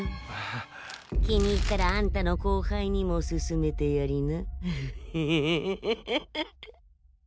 気に入ったらあんたの後輩にもすすめてやりな。